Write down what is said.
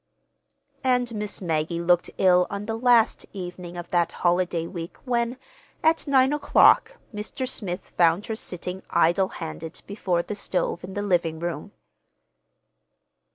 And Miss Maggie looked ill on the last evening of that holiday week when, at nine o'clock, Mr. Smith found her sitting idle handed before the stove in the living room.